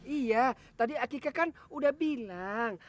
iya tadi akika kan udah bilang